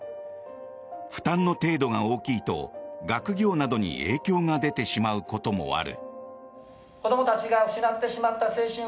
負担の程度が大きいと学業などに影響が出てしまうこともある。